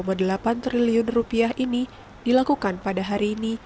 rp dua puluh tiga delapan triliun ini dilakukan pada hari ini